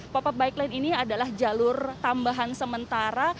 pop up bike lane ini adalah jalur tambahan sementara